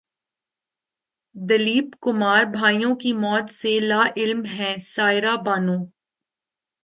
دلیپ کمار بھائیوں کی موت سے لاعلم ہیں سائرہ بانو